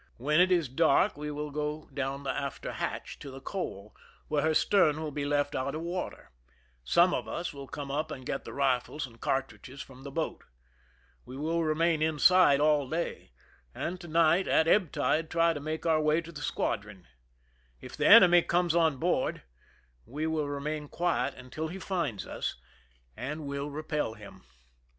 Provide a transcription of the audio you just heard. When it is dark we will go down the after hatch, to the coal, where her stern will be left out of water. Some of us will come up and get the rifles and car tridges from the boat. We will remain inside all day, and to night at ebb tide try to make our way to the squadron. If the enemy comes on board, we will remain quiet until he finds us, and will repel him.